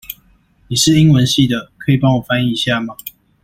你是英文系的，可以幫我翻譯一下嗎？